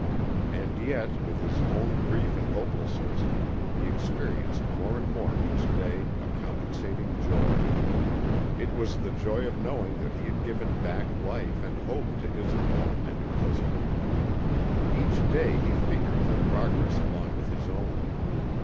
And yet, with his own grief and hopelessness, he experienced more and more each day a compensating joy. It was the joy of knowing that he had given back life and hope to Isobel and her husband. Each day he figured their progress along with his own.